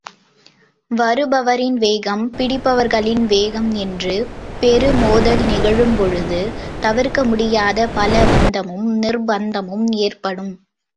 வருபவரின் வேகம், பிடிப்பவர்களின் வேகம் என்று பெரு மோதல் நிகழும்பொழுது, தவிர்க்க முடியாத பலவந்தமும் நிர்ப்பந்தமும் ஏற்படும்.